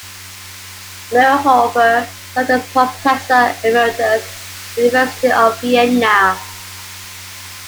Mayrhofer served as professor emeritus at the University of Vienna.